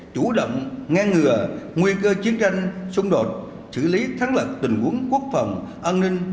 chủ động ngang ngừa nguy cơ chiến tranh xung đột xử lý thắng lật tình huống quốc phòng an ninh